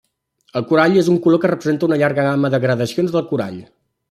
El corall és un color que representa una llarga gamma de gradacions del corall.